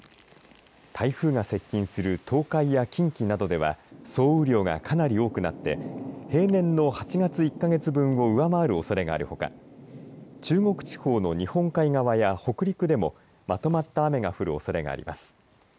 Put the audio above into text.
台風が接近する東海や近畿などでは総雨量が、かなり多くなって平年の８月１か月分を上回るおそれがあるほか中国地方の日本海側や北陸でもまとまった雨が降るおそれがあります。